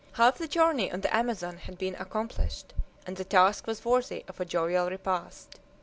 Half the journey on the Amazon had been accomplished, and the task was worthy of a jovial repast.